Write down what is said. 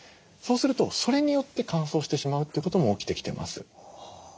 そうするとそれによって乾燥してしまうということも起きてきてます。